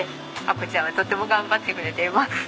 アコちゃんはとても頑張ってくれています。